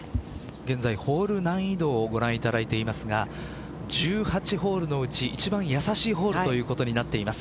現在ホール難易度をご覧いただいていますが１８ホールのうち一番優しいホールということになっています。